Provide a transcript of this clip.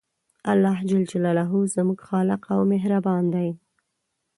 الله ج زموږ خالق او مهربان دی